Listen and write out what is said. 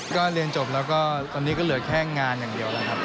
ก็เรียนจบแล้วก็ตอนนี้ก็เหลือแค่งานอย่างเดียวนะครับ